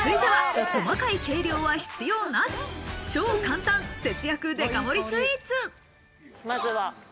続いては、細かい計量は必要なし、超簡単節約デカ盛りスイーツ。